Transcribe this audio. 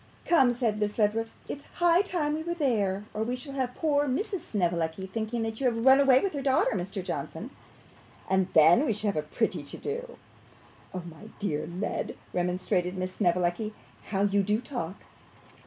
'Come,' said Miss Ledrook, 'it's high time we were there, or we shall have poor Mrs. Snevellicci thinking that you have run away with her daughter, Mr. Johnson; and then we should have a pretty to do.' 'My dear Led,' remonstrated Miss Snevellicci, 'how you do talk!